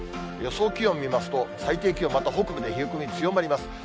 予想気温見ますと、最低気温、また北部で冷え込み強まります。